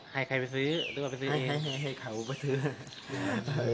ให้ใครไปซื้อหรือว่าไปซื้อเอง